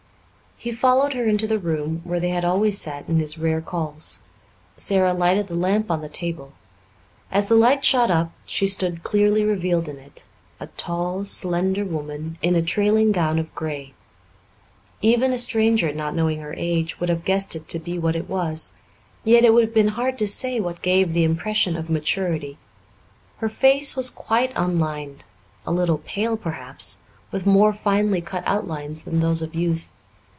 He followed her into the room where they had always sat in his rare calls. Sara lighted the lamp on the table. As the light shot up she stood clearly revealed in it a tall, slender woman in a trailing gown of grey. Even a stranger, not knowing her age, would have guessed it to be what it was, yet it would have been hard to say what gave the impression of maturity. Her face was quite unlined a little pale, perhaps, with more finely cut outlines than those of youth.